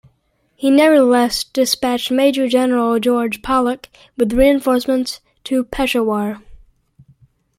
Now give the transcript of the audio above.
He nevertheless dispatched Major General George Pollock with reinforcements to Peshawar.